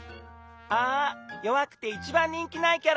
あよわくていちばんにんきないキャラ。